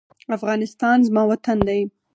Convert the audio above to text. افغانستان زما وطن دی.